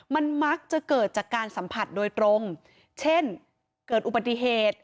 มันมักจะเกิดจากการสัมผัสโดยตรงเช่นเกิดอุบัติเหตุ